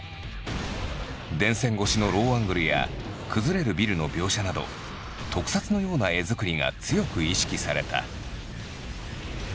電線越しのローアングルや崩れるビルの描写など特撮のような絵づくりが強く意識された。